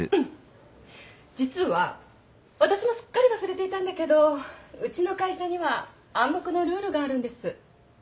実は私もすっかり忘れていたんだけどうちの会社には暗黙のルールがあるんです。